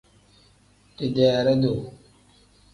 Dideere-duu.